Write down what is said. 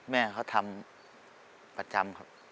แม่เขาทำประจำครับ